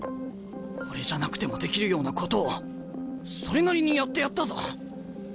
俺じゃなくてもできるようなことをそれなりにやってやったぞ。